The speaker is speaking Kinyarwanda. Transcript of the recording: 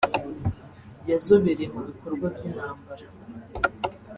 yazobereye mu bikorwa by’intambara